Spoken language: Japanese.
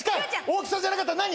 大きさじゃなかったら何？